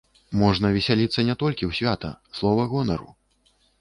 Можна весяліцца не толькі ў свята, слова гонару.